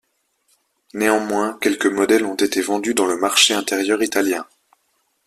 Néanmoins, quelques modèles ont été vendus dans le marché intérieur italien.